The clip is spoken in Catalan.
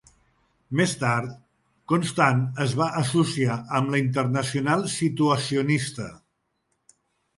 Més tard, Constant es va associar amb la Internacional Situacionista.